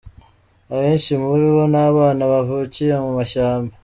Abenshi muri bo ni abana bavukiye mu mashyamba.